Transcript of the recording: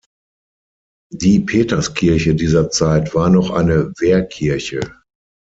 Die Peterskirche dieser Zeit war noch eine Wehrkirche.